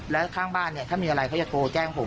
และข้างบ้านถ้ามีอะไรเขาจะโกแจ้งผม